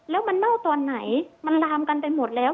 แล้วมันเน่าตอนไหนมันลามกันไปหมดแล้ว